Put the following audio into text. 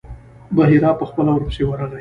بحیرا په خپله ورپسې ورغی.